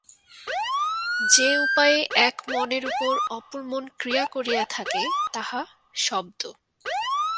যে উপায়ে এক মনের উপর অপর মন ক্রিয়া করিয়া থাকে, তাহা শব্দ।